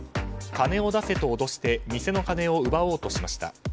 金を出せと脅して店の金を奪おうとしました。